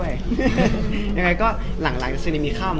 ยังไงก็หลังเซีรมีค่าว